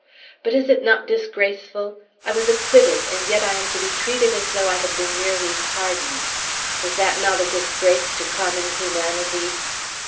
But is it not disgraceful? I was acquitted, and yet I am to be treated as though I had been merely pardoned. Is that not a disgrace to common humanity?"